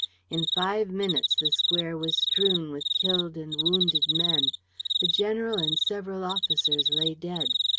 In five minutes, the square was strewn with killed and wounded men. The general and several officers lay dead.